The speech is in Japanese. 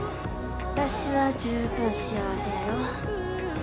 私は十分幸せやよ